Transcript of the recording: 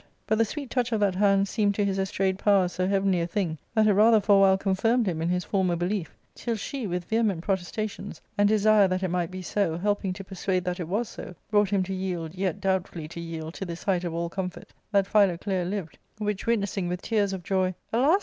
But the sweet touch of that hand seemed to his estrayed powers so heavenly a thing that it rather for a while con firmed him in his former belief; till she, with vehement protestations, and desire that it might be so, helping to persuade that it was so, brought him to yield, yet doubtfully to yield to this height of all comfort, that Philoclea lived ; which witnessing with tears of joy, "Alas